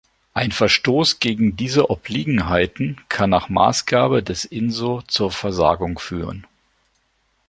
Ein Verstoß gegen diese Obliegenheiten kann nach Maßgabe des InsO zur Versagung führen.